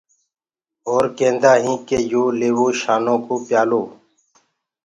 اور ڪيندآ هينٚ ڪي يو ليوو شانو ڪو پيآلو۔